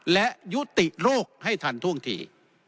และยุติโรคให้ทันท่วงที